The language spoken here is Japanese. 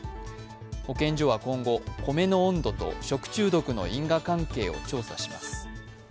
保健所は今後、米の温度と食中毒の因果関係を調査します。